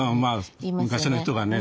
昔の人がね